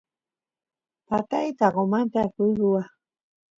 patay taqomanta akush ruwaq